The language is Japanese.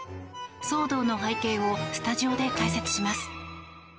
騒動の背景をスタジオで解説します。